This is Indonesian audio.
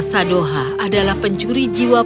sadoha adalah pencuri jiwa